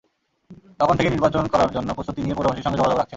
তখন থেকেই নির্বাচন করার জন্য প্রস্তুতি নিয়ে পৌরবাসীর সঙ্গে যোগাযোগ রাখছেন।